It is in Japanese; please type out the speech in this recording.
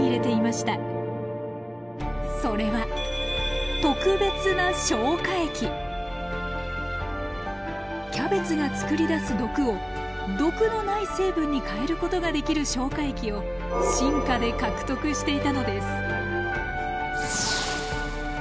それはキャベツが作り出す毒を毒のない成分に変えることができる消化液を進化で獲得していたのです。